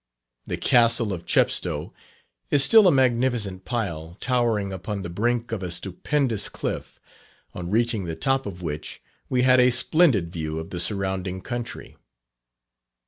The Castle of Chepstow is still a magnificent pile, towering upon the brink of a stupendous cliff, on reaching the top of which, we had a splendid view of the surrounding country.